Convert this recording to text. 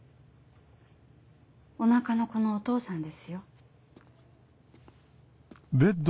お腹の子のお父さんですよ。